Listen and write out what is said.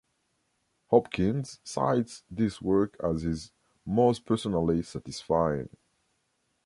Hopkins cites this work as his "most personally satisfying".